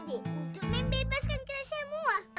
untuk membebaskan kita semua